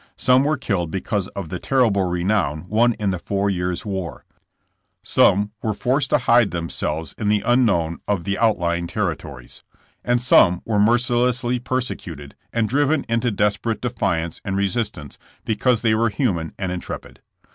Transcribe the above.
Some were killed because of the terrible renown won in the four years ^ war ; some were forced to hide themselves in the unknown of the outlying territories; and some were mercilessly persecuted and driven into desperate defiance and re sistance because they were human and intrepid.